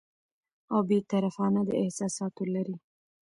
او بې طرفانه، د احساساتو لرې